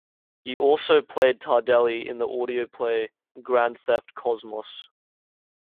He also played Tardelli in the audio play "Grand Theft Cosmos".